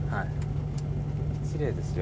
失礼ですよ。